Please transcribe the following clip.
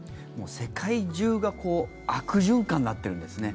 世界中が悪循環になってるんですね。